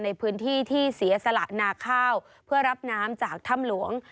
ในพื้นที่ที่เสียสละนาข้าวเพื่อรับน้ำจากถ้ำหลวง